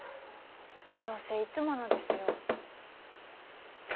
どうせいつものですよ。